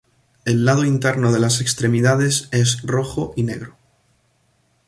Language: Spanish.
El lado interno de las extremidades es rojo y negro.